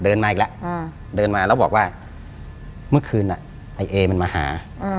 เดินมาอีกแล้วแล้วบอกว่าเมื่อคืนไอ้เอ๋มันมาหา